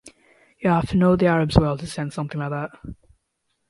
You have to know the Arabs well to sense something like that.